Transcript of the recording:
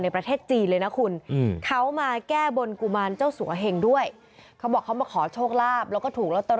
ประเทศจีนเลยนะคุณเขามาแก้บนกุมารเจ้าสัวเหงด้วยเขาบอกเขามาขอโชคลาภแล้วก็ถูกลอตเตอรี่